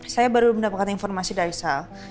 saya baru mendapatkan informasi dari sal